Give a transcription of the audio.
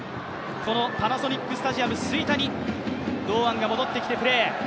このパナソニックスタジアム吹田に堂安が戻ってきてプレー。